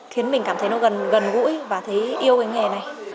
khiến mình cảm thấy nó gần gũi và thấy yêu cái nghề này